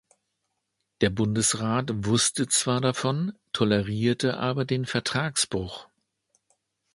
Der Bundesrat wusste zwar davon, tolerierte aber den Vertragsbruch.